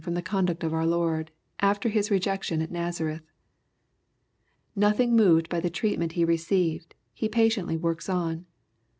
123 from the 30iiduct of our Lord, after His rejection at Nazareth. Nothing moved hy the treatment He received, He patiently works on.